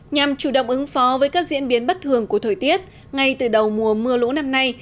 nhằm chủ động ứng phó với các diễn biến bất thường của thời tiết ngay từ đầu mùa mưa lũ năm nay